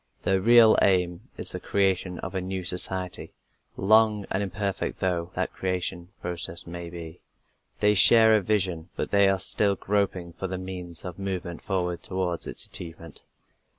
Their real aim is the creation of the new society long and imperfect though that process of creation may be. They share a vision, but they are still groping for the means of moving forward towards its achievement.